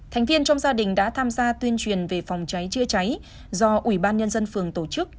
thành viên trong gia đình đã tham gia tuyên truyền về phòng cháy chữa cháy do ủy ban nhân dân phường tổ chức